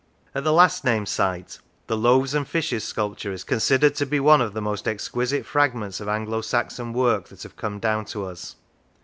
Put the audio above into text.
At the last named site, the " loaves and fishes " sculpture is considered to be one of the most exquisite fragments of Anglo Saxon work that have come down to us.